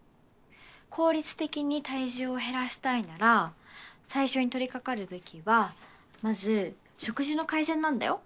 効率的に体重を減らしたいなら最初に取りかかるべきはまず食事の改善なんだよ